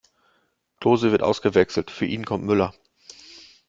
Klose wird ausgewechselt, für ihn kommt Müller.